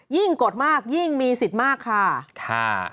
กดมากยิ่งมีสิทธิ์มากค่ะ